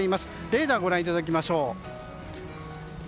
レーダーをご覧いただきましょう。